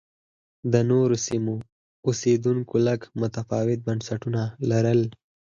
د نورو سیمو اوسېدونکو لږ متفاوت بنسټونه لرل